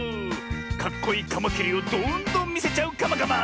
かっこいいカマキリをどんどんみせちゃうカマカマ。